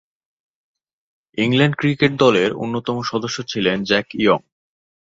England cricket দলের অন্যতম সদস্য ছিলেন জ্যাক ইয়ং।